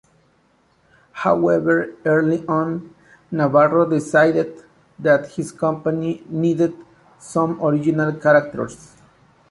However, early on, Navarro decided that his company needed some original characters.